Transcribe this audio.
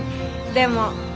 でも。